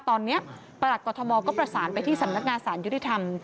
ตอนนี้ประหลัดกรทมก็ประสานไปที่สำนักงานสารยุติธรรม